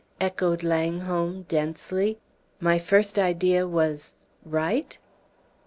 echoed Langholm, densely. "My first idea was right?"